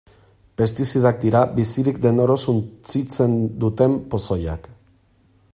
Pestizidak dira bizirik den oro suntsitzen duten pozoiak.